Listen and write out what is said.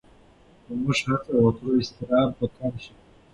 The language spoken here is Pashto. که موږ هڅه وکړو، اضطراب به کم شي.